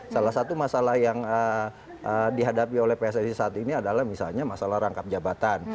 salah satu masalah yang dihadapi oleh pssi saat ini adalah misalnya masalah rangkap jabatan